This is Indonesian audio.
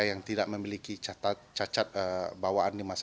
yang tidak memiliki cacat bawaan di masa depan